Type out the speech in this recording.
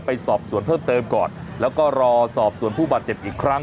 ไปสอบสวนเพิ่มเติมก่อนแล้วก็รอสอบส่วนผู้บาดเจ็บอีกครั้ง